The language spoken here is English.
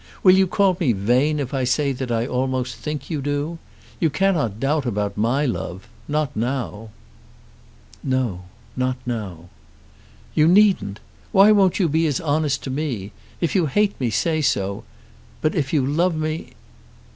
Will you call me vain if I say that I almost think you do? You cannot doubt about my love; not now." "No; not now." "You needn't. Why won't you be as honest to me? If you hate me, say so; but if you love me